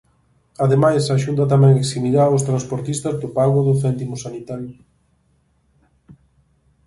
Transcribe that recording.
Ademais, a Xunta tamén eximirá os transportistas do pago do céntimo sanitario.